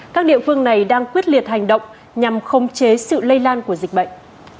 các địa phương này đang quyết liệt hành động nhằm khống chế sự lây lan của dịch bệnh